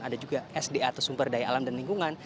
ada juga sda atau sumber daya alam dan lingkungan